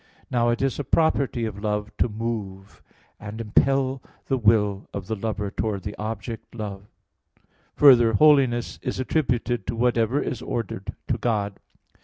Now it is a property of love to move and impel the will of the lover towards the object loved. Further, holiness is attributed to whatever is ordered to God.